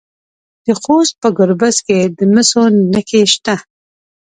د خوست په ګربز کې د مسو نښې شته.